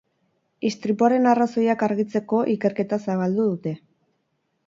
Istripuaren arrazoiak argitzeko ikerketa zabaldu dute.